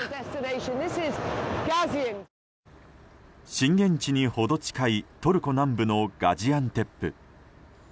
震源地に程近いトルコ南部のガジアンテップ。